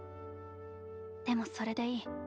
でもそれでいい。